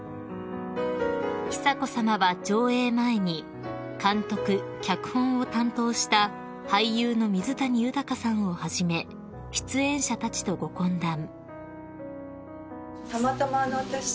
［久子さまは上映前に監督脚本を担当した俳優の水谷豊さんをはじめ出演者たちとご懇談］